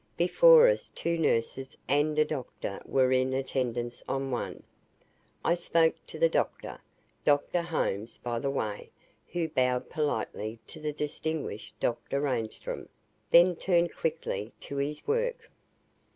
Before us two nurses and a doctor were in attendance on one. I spoke to the Doctor, Dr. Holmes, by the way, who bowed politely to the distinguished Dr. Reinstrom, then turned quickly to his work.